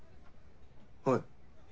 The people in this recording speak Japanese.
はい。